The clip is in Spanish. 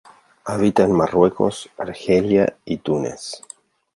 Habita en Marruecos, Argelia y Túnez.